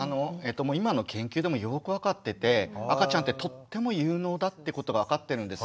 今の研究でもよく分かってて赤ちゃんってとっても有能だってことが分かってるんです。